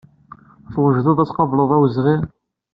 Twejdeḍ ad tqableḍ awezɣi?